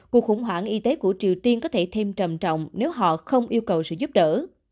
cuộc khủng hoảng y tế của triều tiên có thể thêm trầm trọng nếu họ không yêu cầu sự giúp đỡ